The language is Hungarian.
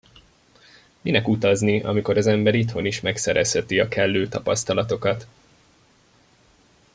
Minek utazni, amikor az ember itthon is megszerezheti a kellő tapasztalatokat?